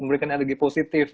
memberikan energi positif